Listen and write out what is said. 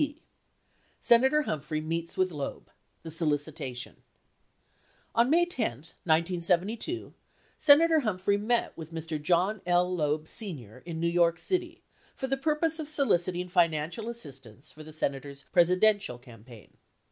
B. Senator Humphrey Meets With Loeb — The Solicitation On May 10, 1972, Senator Humphrey met Mr. John L. Loeb, Sr. in New' York City for the purpose of soliciting financial assistance for the Senator's Presidential campaign.